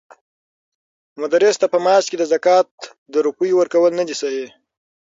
مدرس ته په معاش کې د زکات د روپيو ورکول ندی صحيح؛